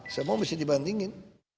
semua mesti dibandingin